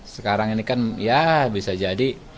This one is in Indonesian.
sekarang ini kan ya bisa jadi